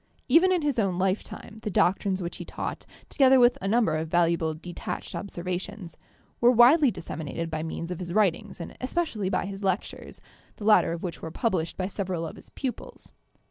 Even in his own lifetime the doctrines which he taught, together with a number of valuable detached observations, were widely disseminated by means of his writings and especially by his lectures, the later of which were published by several of his pupils.